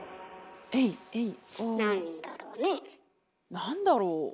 なんだろうね？